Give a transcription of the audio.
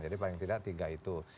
jadi paling tidak tiga itu